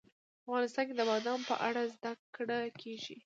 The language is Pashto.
افغانستان کې د بادام په اړه زده کړه کېږي.